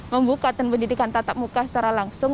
membuka dan pendidikan tatap muka secara langsung